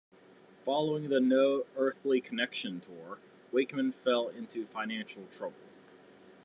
Following the "No Earthly Connection" tour, Wakeman fell into financial trouble.